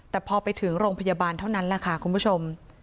แต่พอไปถึงโรงพยาบาลเท่านั้นแหละค่ะคุณผู้ชม